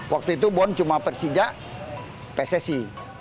waktu itu bon cuma persija pssi